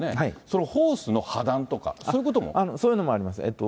そのホースの破断とか、そういうそういうのもあります。